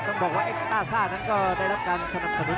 ต้องบอกว่าไอ้ต้าซ่านั้นก็ได้รับการสนับสนุน